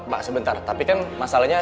pak sebentar tapi kan masalahnya